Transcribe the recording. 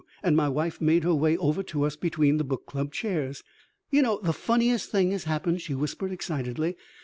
And my wife made her way over to us between the Book Club's chairs. "You know the funniest thing has happened," she whispered excitedly.